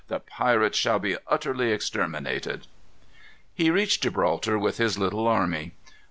The pirates shall be utterly exterminated." He reached Gibraltar with his little army.